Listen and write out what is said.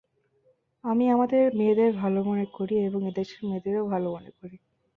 আমি আমাদের মেয়েদের ভাল মনে করি এবং এদেশের মেয়েদেরও ভাল মনে করি।